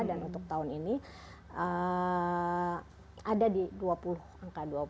dan untuk tahun ini ada di dua puluh angka dua puluh